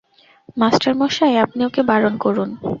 মাস্টারমশায়, আপনি ওঁকে বারণ করুন।